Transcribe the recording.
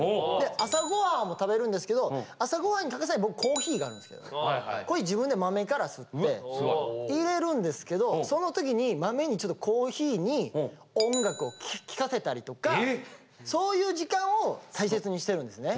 朝御飯も食べるんですけど朝御飯に欠かせない僕コーヒーがあるんですけどこれ自分で豆からすっていれるんですけどその時に豆にちょっとコーヒーに音楽を聴かせたりとかそういう時間を大切にしてるんですね。